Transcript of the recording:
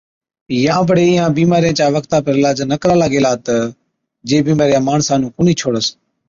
يان بڙي اِيهان بِيمارِيان چا وقتا پر علاج ڪرالا گيلا تہ جي بِيمارِيا ماڻسا نُون ڪونهِي ڇوڙس